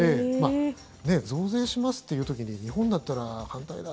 増税しますという時に日本だったら反対だ！